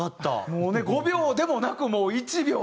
もうね５秒でもなくもう１秒。